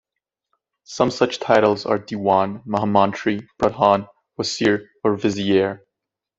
Some such titles are diwan, mahamantri, pradhan, wasir or vizier.